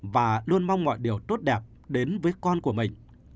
và luôn mong mọi điều tốt đẹp đến với con của mình